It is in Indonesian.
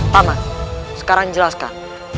pak man sekarang jelaskan